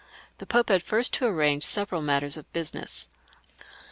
The Pope had first to arrange several matters of business.